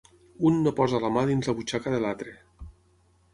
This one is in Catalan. Un no posa la mà dins la butxaca de l'altre.